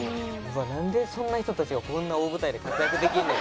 なんでそんな人たちがこんな大舞台で活躍できんねん。